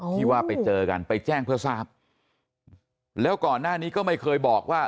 ที่ว่าไปเจอกันไปแจ้งเพื่อทราบแล้วก่อนหน้านี้ก็ไม่เคยบอกว่า